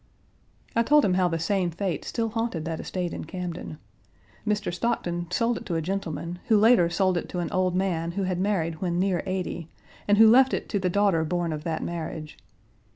I told him how the same fate still haunted that estate in Camden. Mr. Stockton sold it to a gentleman, who later sold it to an old man who had married when near eighty, and who left it to the daughter born of that marriage.